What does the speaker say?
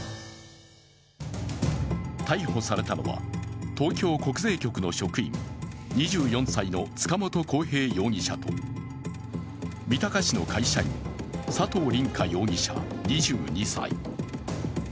逮捕されたのは、東京国税局の職員、２４歳の塚本晃平容疑者と三鷹市の会社員、佐藤凛果容疑者２２歳。